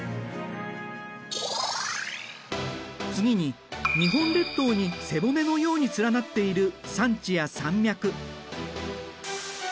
次に日本列島に背骨のように連なっている山地や山脈。